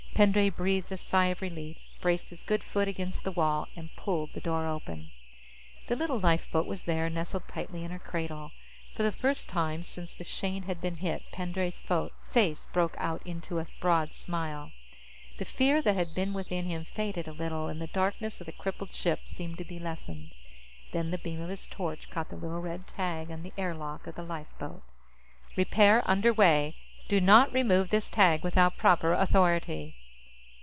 Pendray breathed a sigh of relief, braced his good foot against the wall, and pulled the door open. The little lifeboat was there, nestled tightly in her cradle. For the first time since the Shane had been hit, Pendray's face broke into a broad smile. The fear that had been within him faded a little, and the darkness of the crippled ship seemed to be lessened. Then the beam of his torch caught the little red tag on the air lock of the lifeboat. _Repair Work Under Way Do Not Remove This Tag Without Proper Authority.